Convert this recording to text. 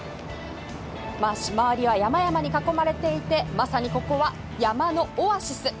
周りは山々に囲まれていてまさにここは山のオアシス。